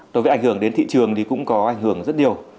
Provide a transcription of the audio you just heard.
đối với ảnh hưởng đến thị trường thì cũng có ảnh hưởng rất nhiều